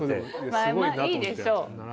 まぁまぁいいでしょう。